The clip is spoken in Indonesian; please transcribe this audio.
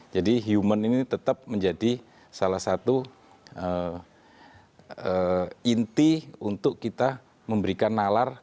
jadi human ini tetap menjadi salah satu inti untuk kita memberikan nalar ke penjajaran